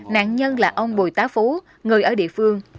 nạn nhân là ông bùi tá phú người ở địa phương